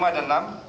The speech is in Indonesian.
lima dan enam